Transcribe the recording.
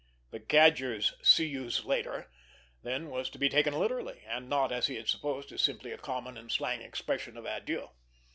The Cadger's "see youse later," then, was to be taken literally, and not, as he had supposed, as simply a common and slang expression of adieu!